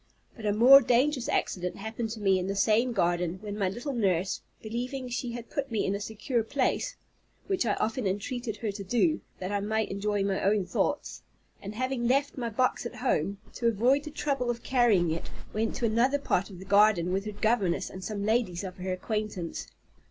But a more dangerous accident happened to me in the same garden, when my little nurse, believing she had put me in a secure place (which I often entreated her to do, that I might enjoy my own thoughts), and having left my box at home, to avoid the trouble of carrying it, went to another part of the garden with her governess and some ladies of her acquaintance.